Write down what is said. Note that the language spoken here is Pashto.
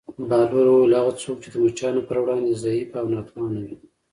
بهلول وویل: هغه څوک چې د مچانو پر وړاندې ضعیف او ناتوانه وي.